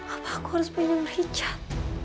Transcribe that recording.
apa aku harus minum richard